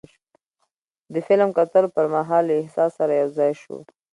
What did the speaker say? د فلم کتلو پر مهال له احساس سره یو ځای شو.